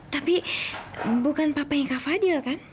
tapi bukan papa yang kak fadil kan